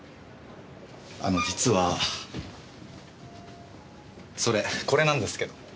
あの実はそれこれなんですけど。